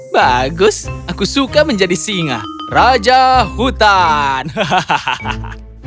bagus aku suka menjadi singa raja hutan hahaha